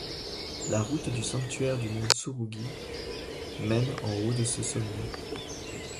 La route du sanctuaire du mont Tsurugi mène en haut de ce sommet.